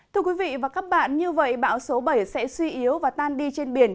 thưa quý vị và các bạn như vậy bão số bảy sẽ suy yếu và tan đi trên biển